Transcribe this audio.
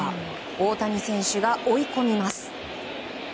大谷選手が追い込みます。